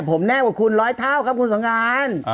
ผมแน่กว่าคุณร้อยเท่าครับคุณสงการ